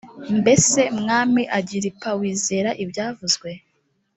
mbese mwami agiripa wizera ibyavuzwe